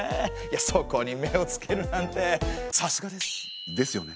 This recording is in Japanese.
そこに目をつけるなんてさすがです！ですよね。